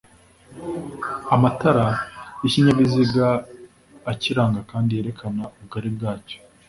amatara y'ikinyabiziga akiranga kandi yerekana ubugari bwacyo